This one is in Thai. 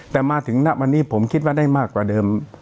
แต่มาถึงณวันนี้ผมคิดว่าได้มากกว่าเดิม